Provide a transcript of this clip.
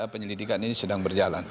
penyelidikan ini sedang berjalan